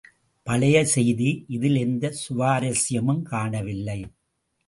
பழைய செய்தி இதில் எந்த சுவாரசியமும் காணவில்லை.